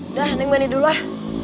udah neng ganti dulu ah